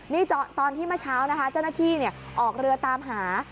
นี่ตอนที่เมื่อเช้านะคะเจ้าหน้าที่ออกเรือตามหา